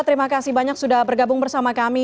terima kasih banyak sudah bergabung bersama kami